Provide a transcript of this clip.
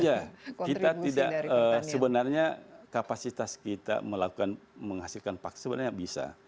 iya kita tidak sebenarnya kapasitas kita melakukan menghasilkan paksa sebenarnya bisa